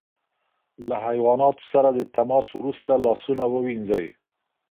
له حیواناتو سره د تماس وروسته لاسونه ووینځئ.